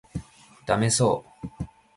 ダメそう